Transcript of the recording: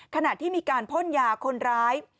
ขณะที่มีการพ่นยาคนร้าย